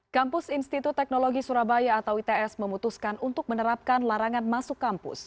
kampus institut teknologi surabaya atau its memutuskan untuk menerapkan larangan masuk kampus